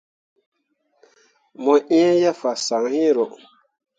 Mo iŋ ye fasaŋ iŋro.